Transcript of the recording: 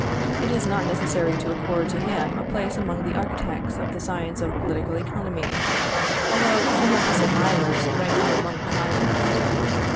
It is not necessary to accord to him a place among the architects of the science of political economy, although some of his admirers rank him among the highest.